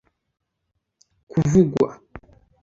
Kuvugwa